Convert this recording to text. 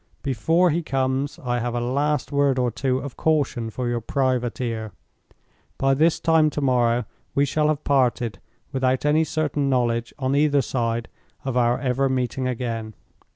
Before he comes, I have a last word or two of caution for your private ear. By this time to morrow we shall have parted—without any certain knowledge, on either side, of our ever meeting again.